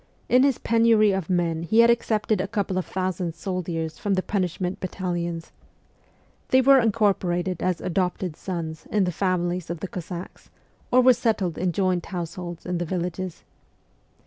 In his penury of men he had accepted a couple of thousand soldiers from the punishment battalions. They were incorporated as ' adopted sons ' in the families of the Cossacks, or were settled in joint households in the villages.